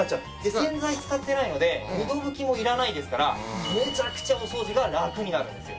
洗剤使ってないので２度拭きもいらないですからめちゃくちゃお掃除がラクになるんですよ。